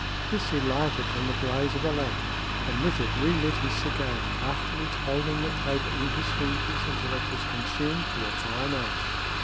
This he lighted from the blaze of a lamp and with it relit his cigar, afterward holding the taper in his fingers until it was consumed to a fine ash.